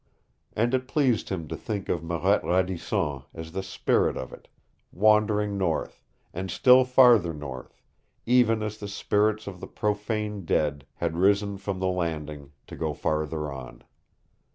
And it pleased him to think of Marette Radisson as the spirit of it, wandering north, and still farther north even as the spirits of the profaned dead had risen from the Landing to go farther on.